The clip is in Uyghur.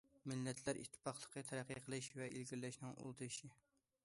مىللەتلەر ئىتتىپاقلىقى تەرەققىي قىلىش ۋە ئىلگىرىلەشنىڭ ئۇل تېشى.